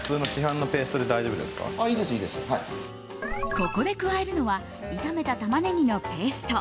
ここで加えるのは炒めたタマネギのペースト。